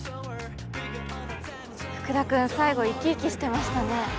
福田君最後生き生きしてましたね。